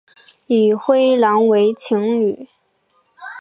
与灰狼为情侣。